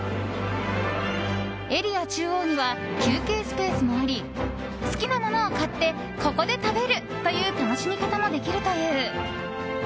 エリア中央には休憩スペースもあり好きなものを買ってここで食べるという楽しみ方もできるという。